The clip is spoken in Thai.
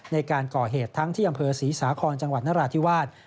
ในการก่อเหตุทั้งที่อำเภอศรีสาครจังหวัดนราธิวาส